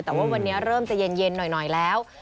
แต่ว่าวันนี้เริ่มจะเย็นหน่อยแล้ว